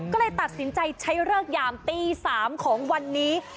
ก็เลยตัดสินใจใช้เลิกยามตี๓ของวันนี้